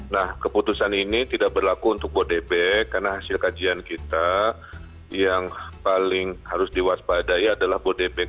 nah keputusan ini tidak berlaku untuk bodebek karena hasil kajian kita yang paling harus diwaspadai adalah bodebek